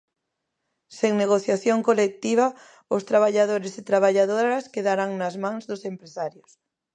Sen negociación colectiva, os traballadores e traballadoras quedarán nas mans dos empresarios.